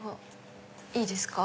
いいですか？